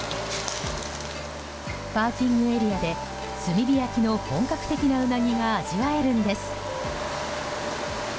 パーキングエリアで炭火焼きの本格的なウナギが味わえるんです。